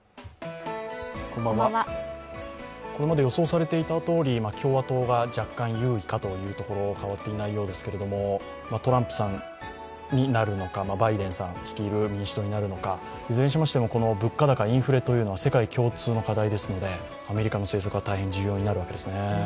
これまで予想されていたとおり共和党が若干有利というところ変わっていないようですがトランプさんになるのかバイデンさん率いる民主党になるのかいずれにしましても物価高、インフレというのは世界共通の課題ですのでアメリカの政策は大変重要になるわけですね。